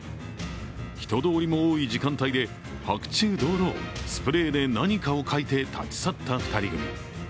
人通りも多い時間帯で白昼堂々、スプレーで何かを書いて立ち去った２人組。